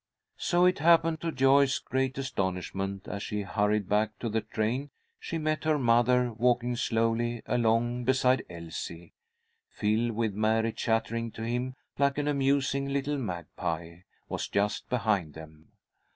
So it happened to Joyce's great astonishment, as she hurried back to the train, she met her mother walking slowly along beside Elsie. Phil, with Mary chattering to him like an amusing little magpie, was just behind them.